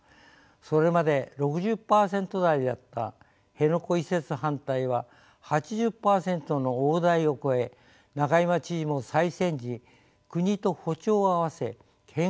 それまで６０％台だった辺野古移設反対は８０％の大台を超え仲井眞知事も再選時国と歩調を合わせ県外移設を唱えました。